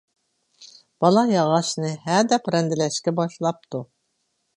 بالا ياغاچنى ھەدەپ رەندىلەشكە باشلاپتۇ.